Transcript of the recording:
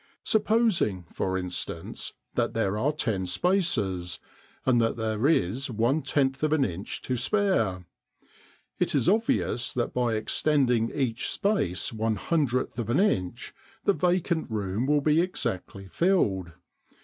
Supposing, for instance, that there are ten spaces, and that there is one tenth of an inch to spare. It is obvious that by extending each space one hundredth of an inch the vacant room will be exactly filled.